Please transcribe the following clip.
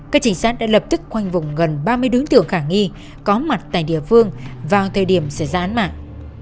các trinh sát đã lập tức khoanh vùng gần ba mươi đối tượng khả nghi có mặt tại địa phương vào thời điểm xảy ra án mạng